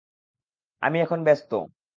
আমি এখন ব্যস্ত।